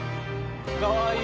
かわいい。